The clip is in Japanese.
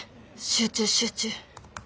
集中集中。